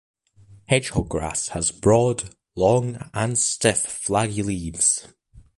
Hedgehog-grass has broad, long and stiff flaggy leaves.